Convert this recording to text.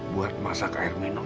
buat masak air minum